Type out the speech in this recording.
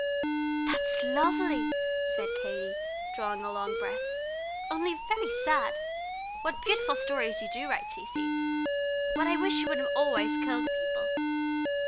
"That's lovely," said Katy, drawing a long breath, "only very sad! What beautiful stories you do write, Cecy! But I wish you wouldn't always kill the people.